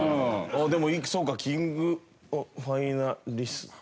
でもそうか「キングファイナリスト」か。